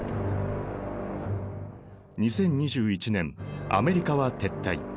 ２０２１年アメリカは撤退。